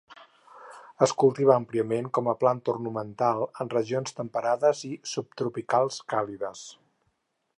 Es cultiva àmpliament com a planta ornamental en regions temperades i subtropicals càlides.